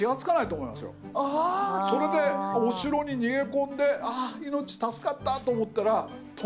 それでお城に逃げ込んで命助かったと思ったら。